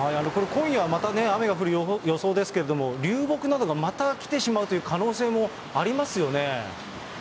今夜、またね、雨が降る予想ですけれども、流木などがまた来てしまうという可能性もありますよね。